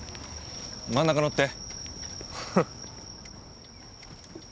真ん中乗って。